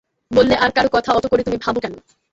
বললে, আর-কারো কথা অত করে তুমি ভাব কেন।